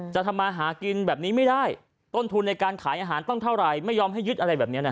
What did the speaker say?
จะทำมาหากินแบบนี้ไม่ได้ต้นทุนในการขายอาหารต้องเท่าไหร่ไม่ยอมให้ยึดอะไรแบบนี้นะฮะ